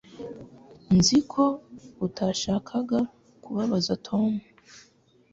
Nzi ko utashakaga kubabaza Tom